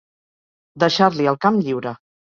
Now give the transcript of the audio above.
Deixar-li el camp lliure.